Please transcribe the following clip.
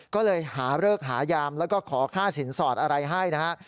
ก็เลยหาเลิกหายามแล้วก็ขอค่าสินสอดอะไรให้นะฮะ